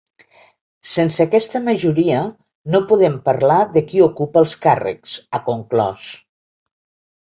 Sense aquesta majoria, no podem parlar de qui ocupa els càrrecs, ha conclòs.